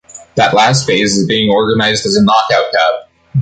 That last phase is being organized as a knockout cup.